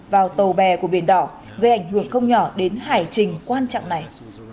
vào tàu bè của biển đỏ gây ảnh hưởng không nhỏ đến hải trình quan trọng này